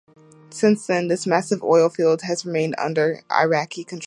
Since then, this massive oil field has remained under Iraqi control.